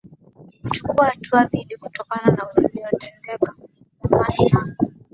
kuchukua hatua dhidiKutokana na yaliyotendeka zamani na